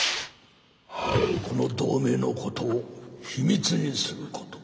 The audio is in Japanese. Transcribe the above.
この同盟のことを秘密にすること。